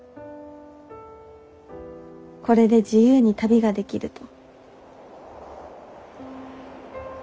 「これで自由に旅ができる」と。